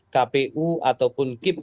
kpu ataupun kip